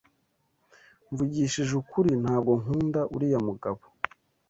Mvugishije ukuri, ntabwo nkunda uriya mugabo.